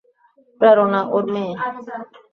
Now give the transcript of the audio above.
প্রেরণা ওর মেয়ে।